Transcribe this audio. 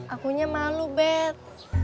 akunya malu bet